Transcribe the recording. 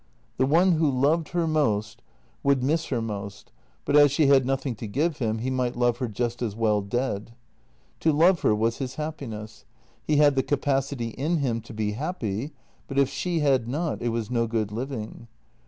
The one who loved her most would JENNY 192 miss her most, but as she had nothing to give him he might love her just as well dead. To love her was his happiness; he had the capacity in him to be happy, but if she had not, it was no good living.